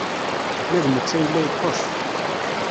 Ma d netta yella yeṭṭeṣ.